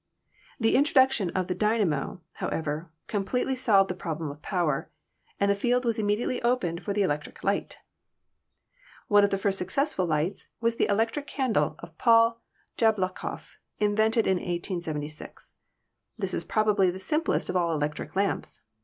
The introduction of the dy namo, however, completely solved the problem of power, and the field was immediately opened for the electric light. One of the first successful lights was the electric candle of Paul Jablochkoff, invented in 1876. This is probably the simplest of all electric lamps.